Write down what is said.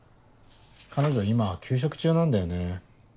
彼女今休職中なんだよね。